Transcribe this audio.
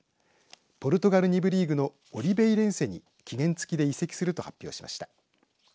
ポルトガル２部リーグのオリベイレンセに期限付きで移籍すると発表しました。